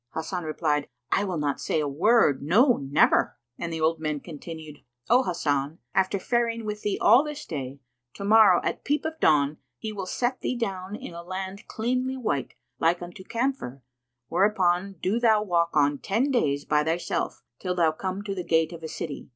Hasan replied, "I will not say a word; no, never;" and the old man continued, "O Hasan, after faring with thee all this day, to morrow at peep of dawn he will set thee down in a land cleanly white, like unto camphor, whereupon do thou walk on ten days by thyself, till thou come to the gate of a city.